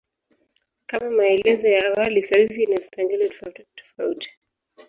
Kama maelezo ya awali, sarufi ina vipengele tofautitofauti.